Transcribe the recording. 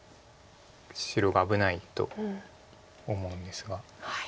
白が危ないと思うんですが。